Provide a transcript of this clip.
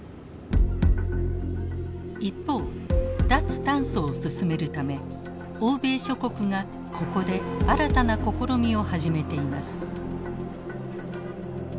一方脱炭素を進めるため欧米諸国がここで新たな試みを始めています。